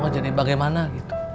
jadi bagaimana gitu